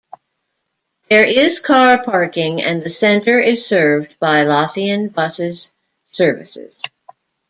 There is car parking and the centre is served by Lothian Buses services.